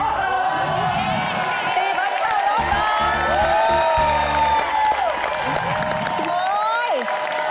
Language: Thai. โอ้โห